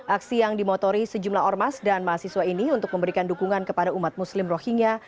aksi yang dimotori sejumlah ormas dan mahasiswa ini untuk memberikan dukungan kepada umat muslim rohingya